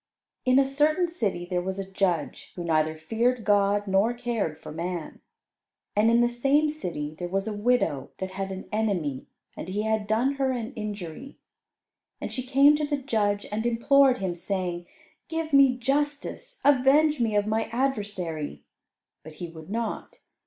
In a certain city there was a judge who neither feared God nor cared for man. And in the same city there was a widow that had an enemy, and he had done her an injury. And she came to the judge and implored him, saying, "Give me justice; avenge me of my adversary." But he would not.